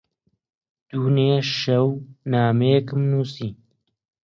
دوێنێ شەو نامەیەکم نووسی.